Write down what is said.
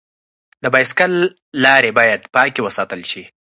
د بایسکل لارې باید پاکې وساتل شي.